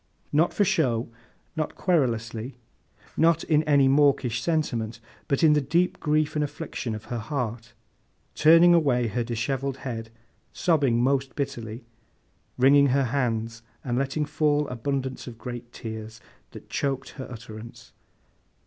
Not for show, not querulously, not in any mawkish sentiment, but in the deep grief and affliction of her heart; turning away her dishevelled head: sobbing most bitterly, wringing her hands, and letting fall abundance of great tears, that choked her utterance.